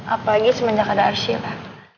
apalagi semenjak ada arshila